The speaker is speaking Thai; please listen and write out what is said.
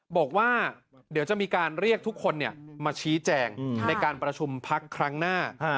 บอกว่าเดี๋ยวจะมีการเรียกทุกคนมาชี้แจงในการประชุมพักครั้งหน้า